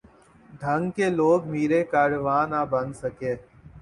ڈھنگ کے لوگ میر کارواں نہ بن سکے۔